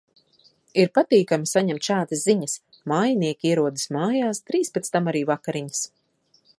Ir patīkami saņemt šādas ziņas. Mājinieki ierodas mājās, drīz pēc tam arī vakariņas.